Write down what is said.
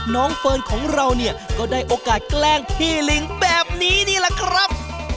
เฟิร์นของเราเนี่ยก็ได้โอกาสแกล้งพี่ลิงแบบนี้นี่แหละครับ